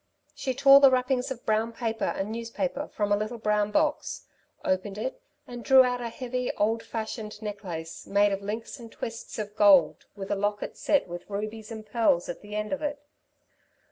She tore the wrappings of brown paper and newspaper from a little brown box, opened it and drew out a heavy, old fashioned necklace made of links and twists of gold, with a locket set with rubies and pearls at the end of it.